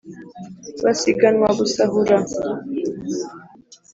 Basiganwa gusahura.